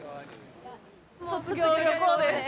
卒業旅行です。